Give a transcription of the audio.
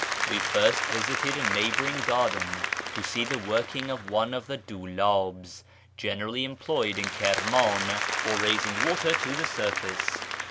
We first visited a neighbouring garden to see the working of one of the duldhs generally employed in Kirman for raising water to the surface.